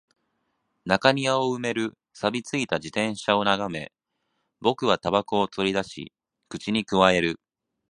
中庭を埋める錆び付いた自転車を眺め、僕は煙草を取り出し、口に咥える